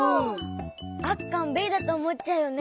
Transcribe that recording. あっかんべえだとおもっちゃうよね。